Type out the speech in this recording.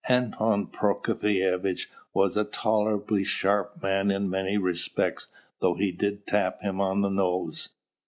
Anton Prokofievitch was a tolerably sharp man in many respects though they did tap him on the nose.